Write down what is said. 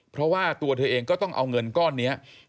เพราะว่าตัวเธอเองก็ต้องเอาเงินก้อนนี้